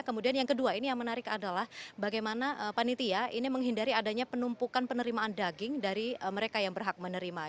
kemudian yang kedua ini yang menarik adalah bagaimana panitia ini menghindari adanya penumpukan penerimaan daging dari mereka yang berhak menerima